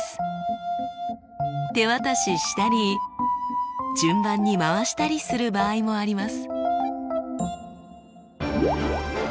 手渡ししたり順番に回したりする場合もあります。